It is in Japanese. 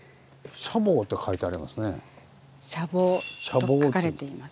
「舎房」と書かれています。